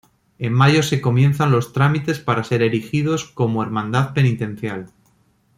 En mayo se comienzan los trámites para ser erigidos cómo Hermandad Penitencial.